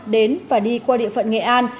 đến và đi qua địa phận nghệ an